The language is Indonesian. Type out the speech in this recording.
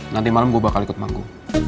nanti malem gue bakal ikut mampu